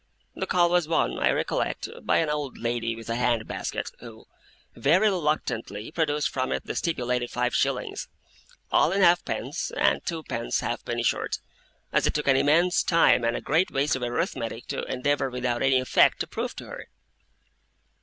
The caul was won, I recollect, by an old lady with a hand basket, who, very reluctantly, produced from it the stipulated five shillings, all in halfpence, and twopence halfpenny short as it took an immense time and a great waste of arithmetic, to endeavour without any effect to prove to her.